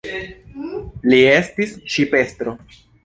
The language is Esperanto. Li estis ŝipestro.